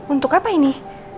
untuk apa ini